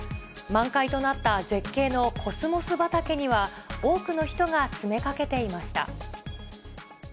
満開となった絶景のコスモス畑には、多くの人が詰めかけていました。